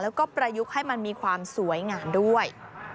แล้วก็ประยุกต์ให้มันมีความสวยงามด้วย